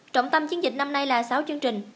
trọng tâm chiến dịch năm nay là sáu chương trình